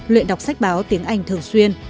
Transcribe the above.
luyện đọc sách báo tiếng anh thường xuyên